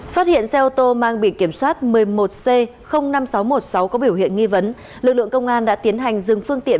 phát hiện xe ô tô mang biển kiểm soát một mươi một c năm nghìn sáu trăm một mươi sáu có biểu hiện nghi vấn lực lượng công an đã tiến hành dừng phương tiện